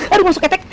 aduh masuk ketek